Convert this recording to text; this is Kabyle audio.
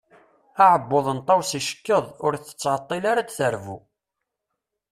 Aɛebbuḍ n Tawes icekkeḍ, ur tettɛeṭṭil ara ad d-terbu.